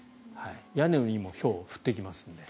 屋根にもひょうは降ってきますので。